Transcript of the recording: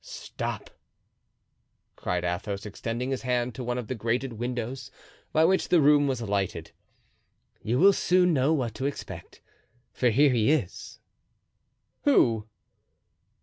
"Stop," cried Athos, extending his hand to one of the grated windows by which the room was lighted; "you will soon know what to expect, for here he is." "Who?"